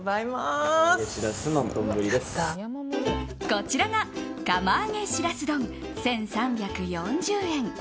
こちらが釜揚げしらす丼１３４０円。